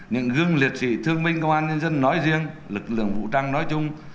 những gương liệt sĩ thương minh công an nhân dân nói riêng lực lượng vũ trang nói chung